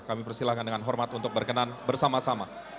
kami persilahkan dengan hormat untuk berkenan bersama sama